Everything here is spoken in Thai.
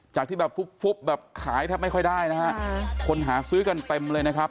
จากที่แบบฟุบแบบขายแทบไม่ค่อยได้นะฮะคนหาซื้อกันเต็มเลยนะครับ